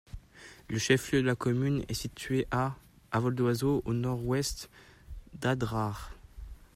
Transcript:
Le chef-lieu de la commune est situé à à vol d'oiseau au nord-ouest d'Adrar.